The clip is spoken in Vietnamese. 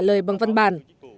trả lời bằng văn bản